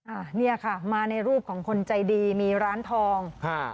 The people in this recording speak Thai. อันนี้ค่ะมาในรูปของคนใจดีมีร้านทอง